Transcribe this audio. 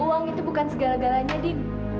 uang itu bukan segala galanya di